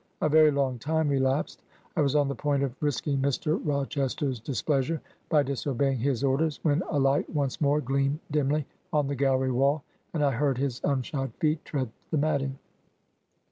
... A very long time elapsed. ... I was on the point of risking Mr. Rochester's displeasure by disobeying his orders, when a light once more gleamed dimly on the gallery wall, and I heard his unshod feet tread the matting.